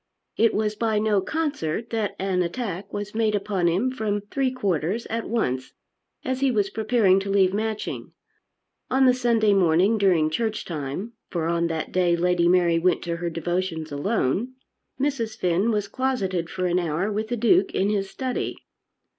It was by no concert that an attack was made upon him from three quarters at once as he was preparing to leave Matching. On the Sunday morning during church time, for on that day Lady Mary went to her devotions alone, Mrs. Finn was closeted for an hour with the Duke in his study.